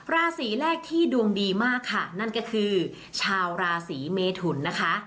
ราศีแรกที่ดวงดีมากค่ะนั่นก็คือชาวราศีเมทุนนะคะ